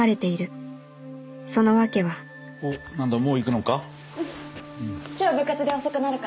その訳はおっ何だもう行くのか？